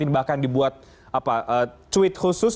bahkan dibuat tweet khusus